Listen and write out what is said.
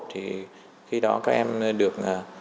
thì khi đó các em được